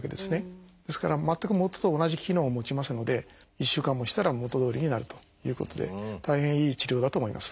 ですから全く元と同じ機能を持ちますので１週間もしたら元どおりになるということで大変いい治療だと思います。